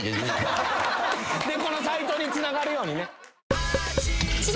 このサイトにつながるように。